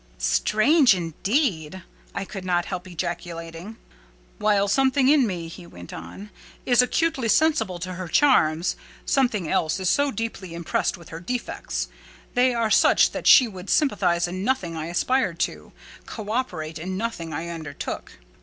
"Strange indeed!" I could not help ejaculating. "While something in me," he went on, "is acutely sensible to her charms, something else is as deeply impressed with her defects: they are such that she could sympathise in nothing I aspired to—co operate in nothing I undertook.